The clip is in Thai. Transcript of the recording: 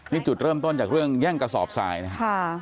นี่จุดเริ่มต้นจากเรื่องแย่งกระสอบทรายนะครับ